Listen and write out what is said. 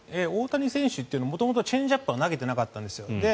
大谷選手は元々チェンジアップは投げていなかったんです。